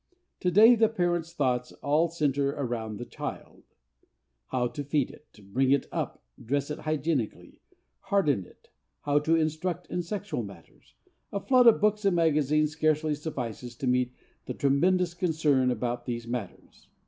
To day the parents' thoughts all centre around the child: How to feed it, bring it up, dress it hygienically, harden it, how to instruct it in sexual matters.... A flood of books and magazines scarcely suffices to meet the tremendous concern about these matters.